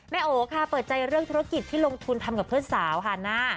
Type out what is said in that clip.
โอค่ะเปิดใจเรื่องธุรกิจที่ลงทุนทำกับเพื่อนสาวฮาน่า